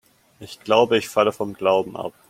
Ich glaube, ich falle vom Glauben ab.